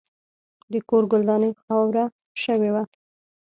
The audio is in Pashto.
د کور ګلداني خاوره شوې وه.